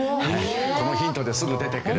このヒントですぐ出てくる。